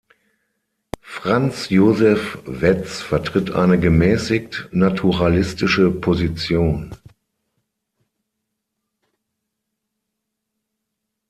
Franz Josef Wetz vertritt eine gemäßigt naturalistische Position.